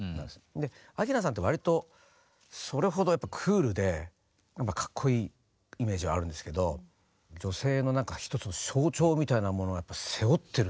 で明菜さんって割とそれほどやっぱりクールでかっこいいイメージがあるんですけど女性のなんか一つの象徴みたいなものをやっぱり背負ってるっていうか。